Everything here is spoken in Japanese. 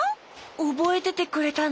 おぼえててくれたの？